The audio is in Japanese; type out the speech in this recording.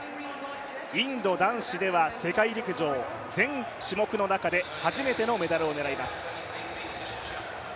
インド男子では世界陸上全種目の中で初めてのメダルを狙います。